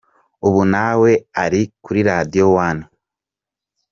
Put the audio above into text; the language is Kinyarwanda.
Ubu nawe ari kuri Radio One.